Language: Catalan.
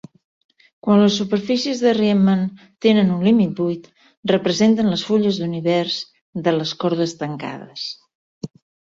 Quan les superfícies de Riemann tenen un límit buit, representen les fulles d'univers de les cordes tancades.